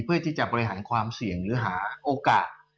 เพื่อที่จะบริหารความเสี่ยงหรือหาโอกาส